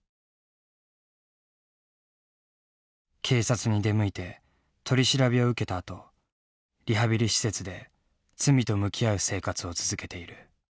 警察に出向いて取り調べを受けたあとリハビリ施設で罪と向き合う生活を続けている。